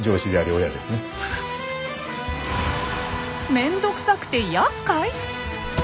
めんどくさくてやっかい？